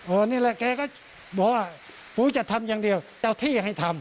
อันนี้แหละแกก็บอกว่าปูจะทำอย่างเดียวเจ้าที่ให้ทำ